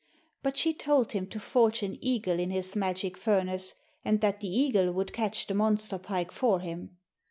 But she told him to forge an eagle in his magic furnace, and that the eagle would catch the monster pike for him.